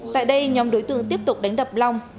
tại đây nhóm đối tượng tiếp tục đánh đập long